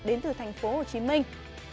đến từ thành phố hồ chí minh